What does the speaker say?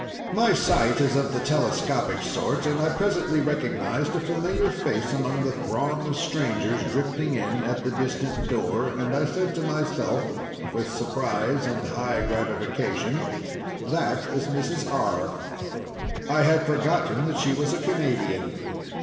My sight is of the telescopic sort, and I presently recognized a familiar face among the throng of strangers drifting in at the distant door, and I said to myself, with surprise and high gratification, "That is Mrs. R.; I had forgotten that she was a Canadian."